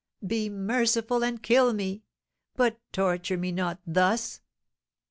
"Be merciful, and kill me; but torture me not thus!"